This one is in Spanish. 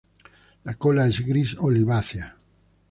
La cola es gris olivácea.